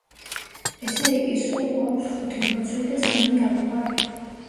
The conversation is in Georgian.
ესე იგი, სულ გვაქვს ხუთი მოცვი და სამი ალუბალი.